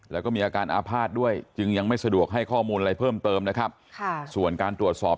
แล้วก็มีอาการอาภาษณ์ด้วยจึงยังไม่สะดวกให้ข้อมูลอะไรเพิ่มเติมนะครับส่วนการตรวจสอบ